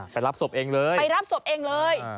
รับศพเองเลยไปรับศพเองเลย